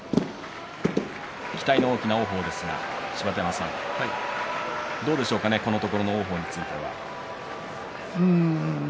期待の大きな王鵬ですが芝田山さん、どうでしょうかこのところの王鵬については。